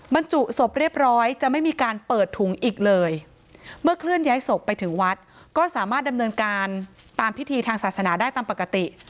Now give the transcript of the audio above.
บรรจุศพเรียบร้อยจะไม่มีการเปิดถุงอีกเลยเมื่อเคลื่อนย้ายศพไปถึงวัดก็สามารถดำเนินการตามพิธีทางศาสนาได้ตามปกติ